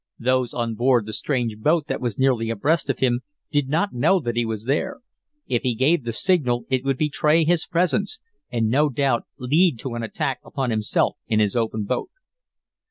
Those on board the strange boat that was nearly abreast of him did not know that he was there. If he gave the signal it would betray his presence, and no doubt lead to an attack upon himself in his open boat.